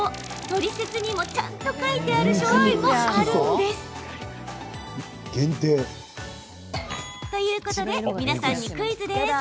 トリセツにもちゃんと書いてある商品もあるんです。ということで皆さんにクイズです。